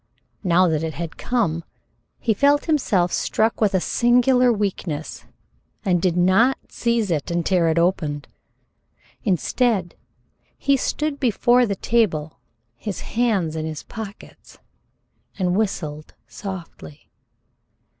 Now that it had come he felt himself struck with a singular weakness, and did not seize it and tear it open. Instead, he stood before the table, his hands in his pockets, and whistled softly.